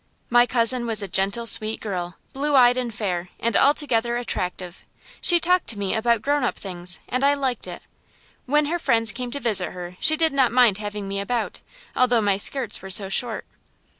My cousin was a gentle, sweet girl, blue eyed and fair, and altogether attractive. She talked to me about grown up things, and I liked it. When her friends came to visit her she did not mind having me about, although my skirts were so short.